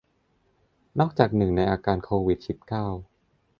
นอกจากหนึ่งในอาการโควิด สิบเก้า